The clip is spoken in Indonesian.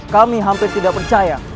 kami hampir tidak percaya